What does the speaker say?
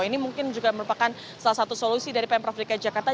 ini mungkin juga merupakan salah satu solusi dari pemprov dki jakarta